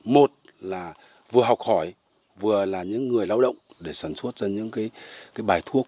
một là vừa học hỏi vừa là những người lao động để sản xuất ra những bài thuốc